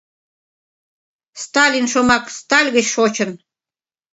— Сталин шомак сталь гыч шочын.